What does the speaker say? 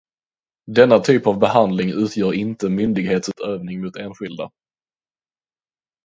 Denna typ av behandling utgör inte myndighetsutövning mot enskilda.